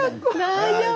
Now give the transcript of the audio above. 大丈夫。